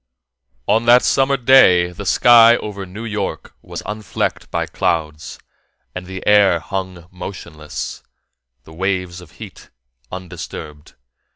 On that summer day the sky over New York was unflecked by clouds, and the air hung motionless, the waves of heat undisturbed.